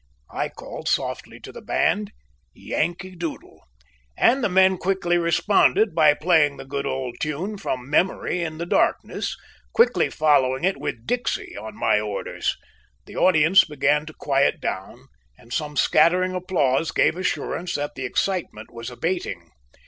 I called softly to the band, "Yankee Doodle!" and the men quickly responded by playing the good old tune from memory in the darkness, quickly following it with "Dixie" on my orders. The audience began to quiet down, and some scattering applause gave assurance that the excitement was abating.